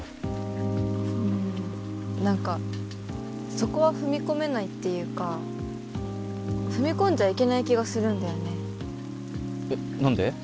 うん何かそこは踏み込めないっていうか踏み込んじゃいけない気がするんだよねえっ何で？